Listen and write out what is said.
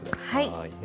はい。